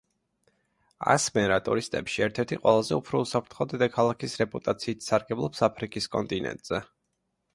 ასმერა ტურისტებში ერთ-ერთი ყველაზე უფრო უსაფრთხო დედაქალაქის რეპუტაციით სარგებლობს აფრიკის კონტინენტზე.